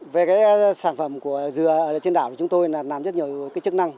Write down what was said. về cái sản phẩm của dừa trên đảo thì chúng tôi làm rất nhiều cái chức năng